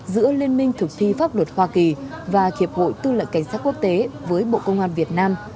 giữa liên minh thực thi pháp luật hoa kỳ và hiệp hội tư lệnh cảnh sát quốc tế với bộ công an việt nam